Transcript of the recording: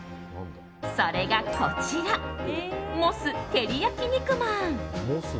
それがこちらモステリヤキ肉まん。